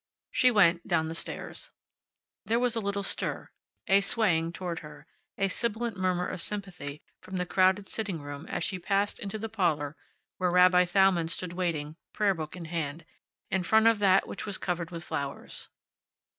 She went down the stairs. There was a little stir, a swaying toward her, a sibilant murmur of sympathy from the crowded sitting room as she passed through to the parlor where Rabbi Thalmann stood waiting, prayer book in hand, in front of that which was covered with flowers.